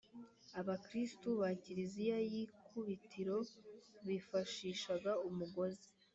abakristu ba kiliziya y’ikubitiro bifashishaga umugozi